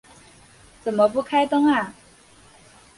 怎么不开灯啊